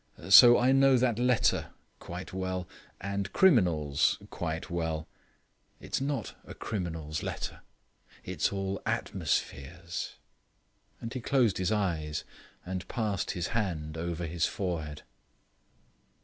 So I know that letter quite well, and criminals quite well. It's not a criminal's letter. It's all atmospheres." And he closed his eyes and passed his hand over his forehead.